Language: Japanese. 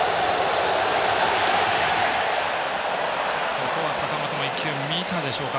ここは坂本も１球見たでしょうか。